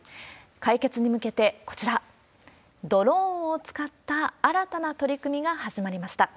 解決に向けて、こちら、ドローンを使った新たな取り組みが始まりました。